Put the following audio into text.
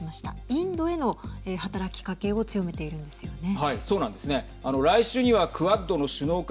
インドへの働きかけを強めているんですよね。